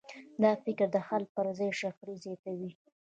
دا فکر د حل پر ځای شخړې زیاتوي.